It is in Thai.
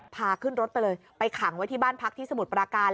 พาขึ้นรถไปเลยไปขังไว้ที่บ้านพักที่สมุทรปราการ